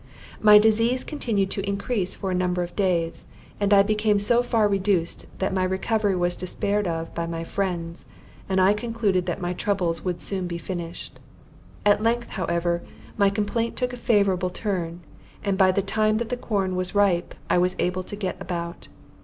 My disease continued to increase for a number of days; and I became so far reduced that my recovery was despaired of by my friends, and I concluded that my troubles would soon be finished. At length, however, my complaint took a favorable turn, and by the time that the corn was ripe I was able to get about.